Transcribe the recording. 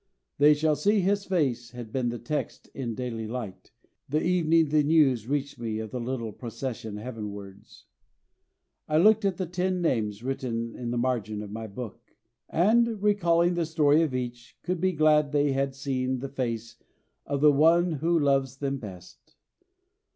"They shall see His face" had been the text in Daily Light, the evening the news reached me of the little procession heavenwards. I looked at the ten names written in the margin of my book; and, recalling the story of each, could be glad they have seen the face of the One who loves them best.